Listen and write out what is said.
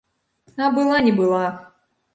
А была не была!